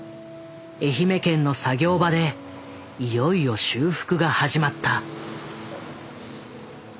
愛媛県の作業場でいよいよ修復が始まった。